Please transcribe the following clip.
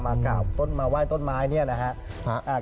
มาเก่ามาไหว้ต้นไม้นี่นะครับ